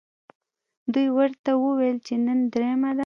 دوی ورته وویل چې نن درېیمه ده.